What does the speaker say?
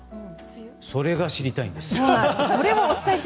それが知りたいんです。